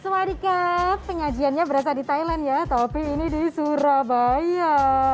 swadikap pengajiannya berasa di thailand ya tapi ini di surabaya